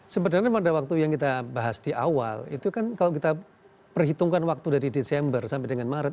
sebenarnya pada waktu yang kita bahas di awal itu kan kalau kita perhitungkan waktu dari desember sampai dengan maret